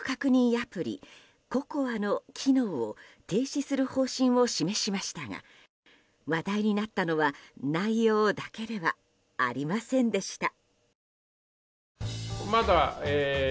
アプリＣＯＣＯＡの機能を停止する方針を示しましたが話題になったのは内容だけではありませんでした。